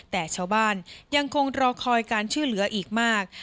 แต่ชาวบ้านยังคงรอคอยการช่วยเหลืออีกมาก